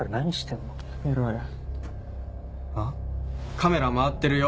カメラ回ってるよ